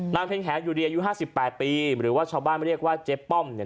นางเพ็ญแขยูเรียอยู่๕๘ปีหรือว่าชาวบ้านเรียกว่าเจ๊ป้อม